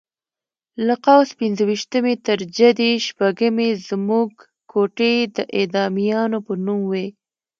له قوس پنځه ویشتمې تر جدي شپږمې زموږ کوټې د اعدامیانو په نوم وې.